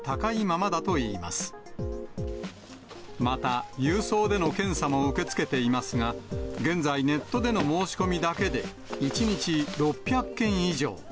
また、郵送での検査も受け付けていますが、現在、ネットでの申し込みだけで１日６００件以上。